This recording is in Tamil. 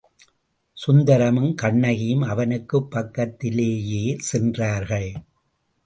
சுந்தரமும் கண்ணகியும் அவனுக்குப் பக்கத்திலேயே சென்றார்கள்.